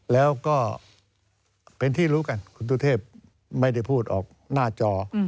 แล้วก็เป็นที่รู้กันคุณตุเทพไม่ได้พูดออกหน้าจอ